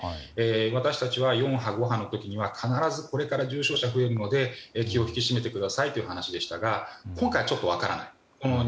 私たちは４波、５波の時にはこれから必ず重症者が増えるので気を引き締めてくださいという話でしたが今回はちょっと分からない。